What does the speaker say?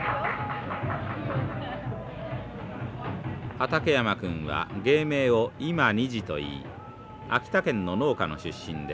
畠山君は芸名を今二次といい秋田県の農家の出身で２３歳。